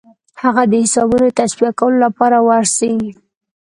هغه د حسابونو د تصفیه کولو لپاره ورسي.